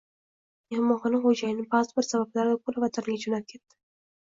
Mehmonxona xo`jayini ba`zi bir sabablarga ko`ra vataniga jo`nab ketdi